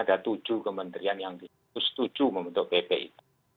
ada tujuh kementerian yang setuju membentuk pp itu